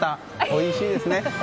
おいしいですね。